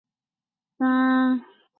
一日圆硬币是日圆硬币之一。